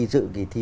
dự kỳ thi